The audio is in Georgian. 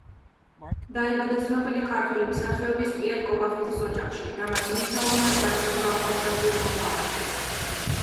დაიბადა ცნობილი ქართველი მსახიობის პიერ კობახიძის ოჯახში, რამაც მნიშვნელოვნად განსაზღვრა ახალგაზრდის მომავალი.